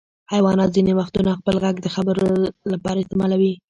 حیوانات ځینې وختونه خپل غږ د خبرو لپاره استعمالوي.